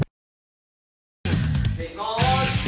失礼しまーす！